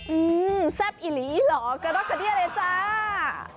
อืมแซ่บอิหลีเหรอกระดอกกระเดี้ยเลยจ้า